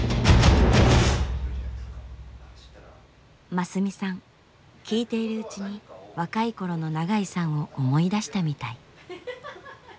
真寿美さん聞いているうちに若い頃の長井さんを思い出したみたい。